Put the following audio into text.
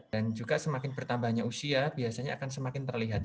dan juga semakin bertambahnya usia biasanya akan semakin terlihat